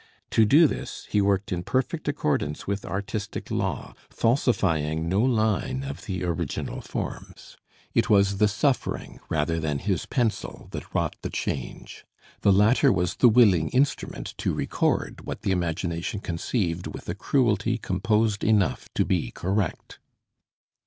To do this, he worked in perfect accordance with artistic law, falsifying no line of the original forms. It was the suffering, rather than his pencil, that wrought the change. The latter was the willing instrument to record what the imagination conceived with a cruelty composed enough to be correct.